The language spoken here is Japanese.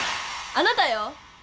あなたよ！